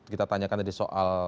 kita tanyakan tadi soal